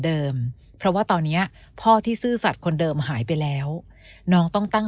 เพราะว่าตอนนี้พ่อที่ซื่อสัตว์คนเดิมหายไปแล้วน้องต้องตั้ง